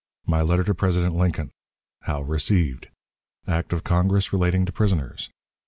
My Letter to President Lincoln. How received. Act of Congress relating to Prisoners.